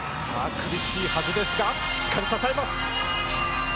苦しいはずですが、しっかり支えます。